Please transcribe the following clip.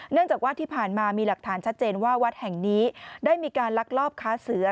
จากว่าที่ผ่านมามีหลักฐานชัดเจนว่าวัดแห่งนี้ได้มีการลักลอบค้าเสือ